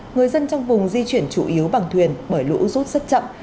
người dân trong vùng di chuyển chủ yếu bằng thuyền bởi lũ rút rất chậm